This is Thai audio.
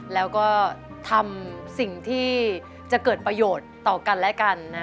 แล้วก็ทำสิ่งที่จะเกิดประโยชน์ต่อกันและกัน